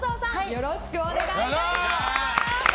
よろしくお願いします。